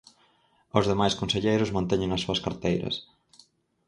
Os demais conselleiros manteñen as súas carteiras.